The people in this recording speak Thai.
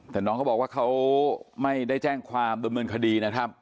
แต่น้องเขาบอกว่าเขาไม่ได้แจ้งความดำเนินคดีนะครับ